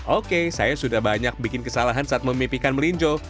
oke saya sudah banyak bikin kesalahan saat memipikan melinjo